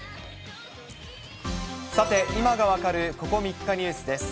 さて、今が分かるここ３日ニュースです。